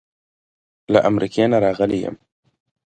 له امریکې نه راغلی یم.